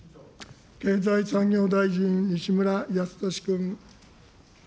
経済産業大臣、西村康稔君。